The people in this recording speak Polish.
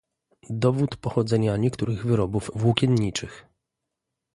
Dowód pochodzenia niektórych wyrobów włókienniczych